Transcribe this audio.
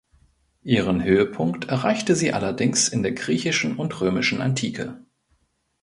Ihren Höhepunkt erreichte sie allerdings in der griechischen und römischen Antike.